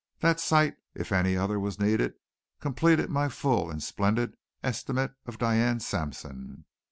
That sight, if any other was needed, completed my full and splendid estimate of Diane Sampson.